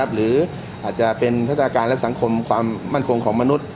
หรืออาจจะเป็นพัฒนาการและสังคมความมั่นคงของมนุษย